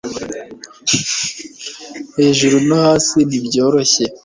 hejuru no hasi ntibyoroshye